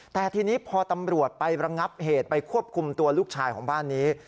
แต่ทีนี้พอตำรวจไประงับเหตุไปควบคุมตัวลูกชายของบ้านนี้